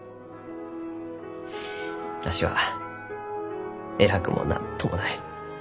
わしは偉くも何ともない。